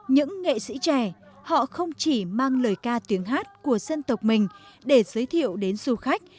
những nghệ sĩ trẻ họ không chỉ mang lời ca tiếng hát của dân tộc mình để giới thiệu đến du khách